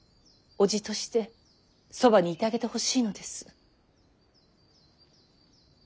叔父としてそばにいてあげてほしいのです。